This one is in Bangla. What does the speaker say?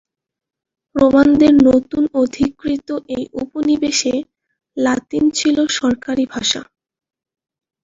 রোমানদের নতুন অধিকৃত এই উপনিবেশে লাতিন ছিল সরকারি ভাষা।